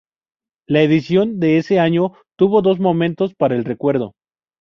La edición de ese año tuvo dos momentos para el recuerdo.